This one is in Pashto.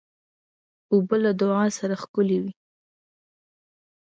اوبه له دعا سره ښکلي وي.